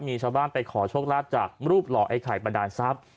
มีชาวบ้านไปขอโชคลาภจากรูปหล่อไอ้ไข่บันดาลทรัพย์